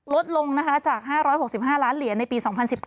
ลดลงนะคะจาก๕๖๕ล้านเหรียญในปี๒๐๑๘